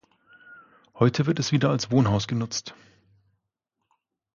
Heute wird es wieder als Wohnhaus genutzt.